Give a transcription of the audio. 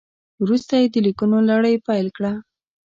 وروسته یې د لیکونو لړۍ پیل کړه.